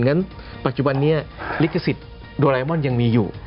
ฉะปัจจุบันนี้ลิขสิทธิ์โดไรมอนยังมีอยู่